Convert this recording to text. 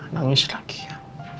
nangis lagi ya